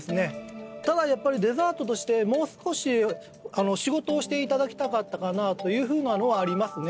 ただやっぱりデザートとしてもう少し仕事をしていただきたかったかなというふうなのはありますね